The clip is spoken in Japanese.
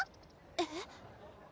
えっ？